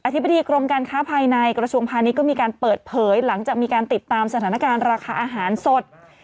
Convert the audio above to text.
ธิบดีกรมการค้าภายในกระทรวงพาณิชย์ก็มีการเปิดเผยหลังจากมีการติดตามสถานการณ์ราคาอาหารสด